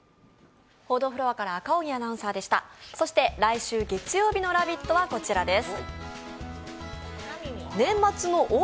来週月曜日の「ラヴィット！」はこちらです。